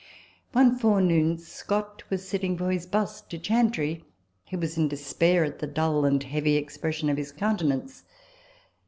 One forenoon Scott was sitting for his bust to Chantrey, who was quite in despair at the dull and heavy expression of his countenance.